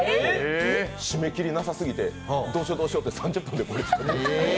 締め切りなさすぎてどうしようって言って３０分でこれ。